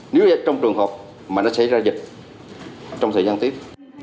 nếu trong trường hợp mà nó xảy ra dịch trong thời gian tiếp